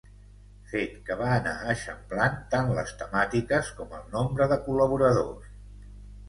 Fet que va anar eixamplant tant les temàtiques com el nombre de col·laboradors.